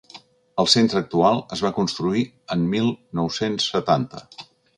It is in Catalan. El centre actual es va construir en mil nou-cents setanta.